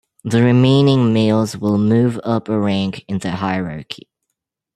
The remaining males will move up a rank in the hierarchy.